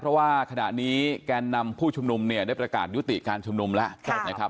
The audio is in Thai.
เพราะว่าขณะนี้แกนนำผู้ชุมนุมเนี่ยได้ประกาศยุติการชุมนุมแล้วนะครับ